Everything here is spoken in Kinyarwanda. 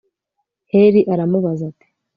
heli aramubaza ati